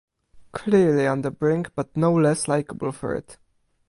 Clearly on the brink but no less likable for it.